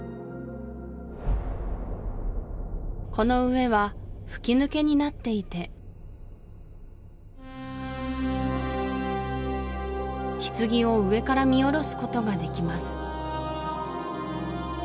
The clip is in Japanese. この上は吹き抜けになっていて棺を上から見下ろすことができます